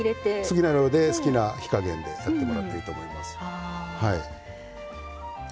好きな量で好きな火加減でやってもらっていいです。